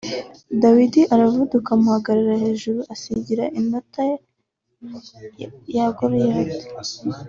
Dawidi aravuduka amuhagarara hejuru asingira inkota ya Goliyati